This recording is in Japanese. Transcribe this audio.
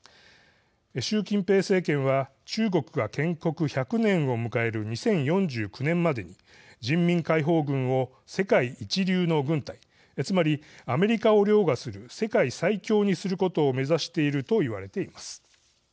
習近平政権は中国が建国１００年を迎える２０４９年までに人民解放軍を世界一流の軍隊つまり、アメリカをりょうがする世界最強にすることを目指していると言われています。